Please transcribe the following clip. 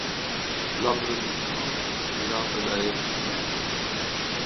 La produzione fu curata da Erick Benzi.